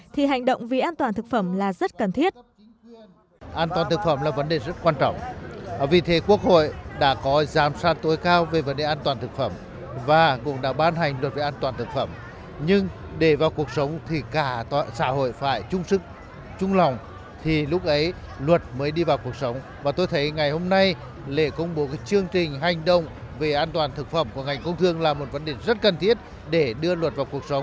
thì hành động vì an toàn thực phẩm là rất cần thiết